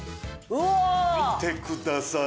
見てください。